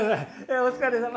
お疲れさま。